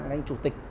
anh chủ tịch